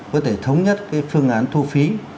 có thể thống nhất cái phương án thu phí